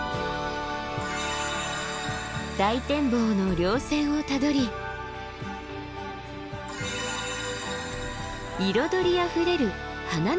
大展望の稜線をたどり彩りあふれる花の山へ。